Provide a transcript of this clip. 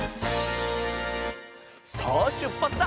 さあしゅっぱつだ！